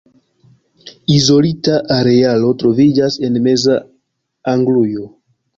Izolita arealo troviĝas en meza Anglujo.